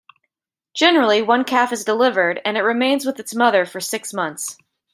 Generally one calf is delivered, and it remains with its mother for six months.